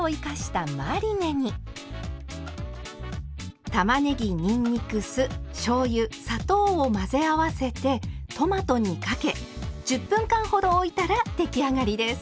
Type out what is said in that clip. たまねぎにんにく酢しょうゆ砂糖を混ぜ合わせてトマトにかけ１０分間ほどおいたら出来上がりです。